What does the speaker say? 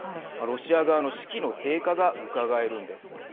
ロシア側の士気の低下がうかがえるんです。